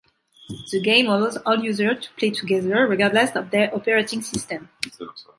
The game allows all users to play together, regardless of their operating system.